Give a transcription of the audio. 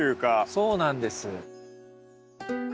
そうなんです。